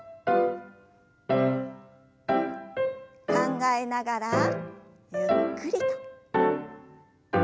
考えながらゆっくりと。